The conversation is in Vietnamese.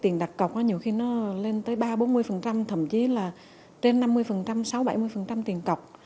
tiền đặt cọc nhiều khi nó lên tới ba bốn mươi thậm chí là trên năm mươi sáu bảy mươi tiền cọc